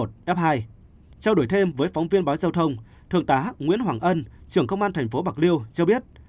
trao đổi thêm với phóng viên báo giao thông thượng tá nguyễn hoàng ân trưởng công an tp bạc liêu cho biết